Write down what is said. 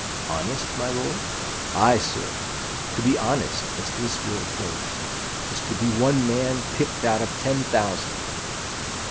"Honest, my lord?" "Ay, sir! To be honest, as this world goes, is to be one man picked out of ten thousand."